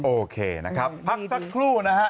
โอเคนะครับพักสักครู่นะฮะ